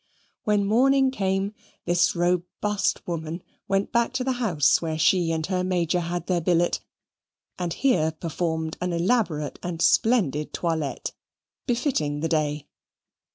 When morning came, this robust woman went back to the house where she and her Major had their billet; and here performed an elaborate and splendid toilette, befitting the day.